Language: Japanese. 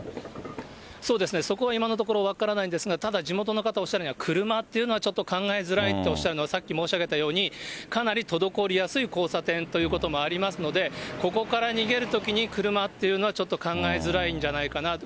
そうですね、そこは今のところ分からないんですが、ただ地元の方がおっしゃるには、車っていうのはちょっと考えづらいっておっしゃるのは、さっき申し上げたように、かなり滞りやすい交差点ということもありますので、ここから逃げるときに車っていうのは、ちょっと考えづらいんじゃないかなと。